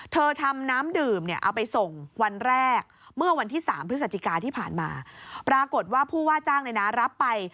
ทำน้ำดื่มเนี่ยเอาไปส่งวันแรกเมื่อวันที่๓พฤศจิกาที่ผ่านมาปรากฏว่าผู้ว่าจ้างรับไป